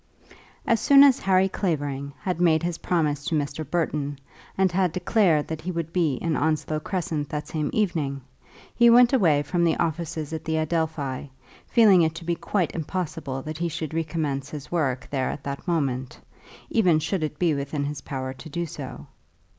] As soon as Harry Clavering had made his promise to Mr. Burton, and had declared that he would be in Onslow Crescent that same evening, he went away from the offices at the Adelphi, feeling it to be quite impossible that he should recommence his work there at that moment, even should it ever be within his power to do so.